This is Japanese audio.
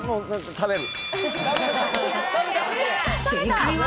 食べる。